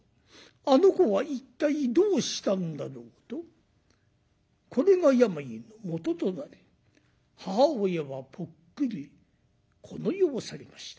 あの子は一体どうしたんだろう？」とこれが病のもととなり母親はポックリこの世を去りました。